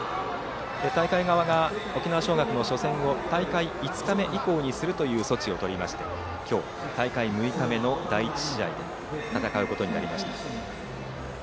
大会側が沖縄尚学の初戦を大会５日目以降にするという措置をとりまして今日、大会６日目の第１試合で戦うことになりました。